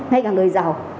ngay cả người giàu